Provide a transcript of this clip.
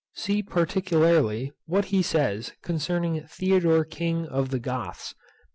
See particularly what he says concerning Theodore king of the Goths, p.